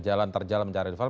jalan terjal mencari nilai